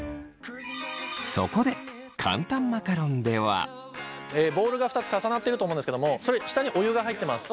そこでボウルが２つ重なってると思うんですけどもそれ下にお湯が入ってます。